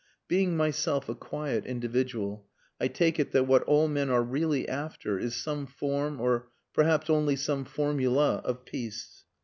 Being myself a quiet individual I take it that what all men are really after is some form or perhaps only some formula of peace.